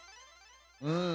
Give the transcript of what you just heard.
うん。